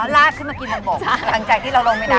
ลาดขึ้นมากินบนบกหลังจากที่ลองลงไปน้ำ